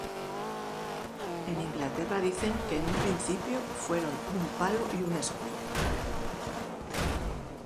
En Inglaterra dicen que en un principio fueron un palo y un escudo.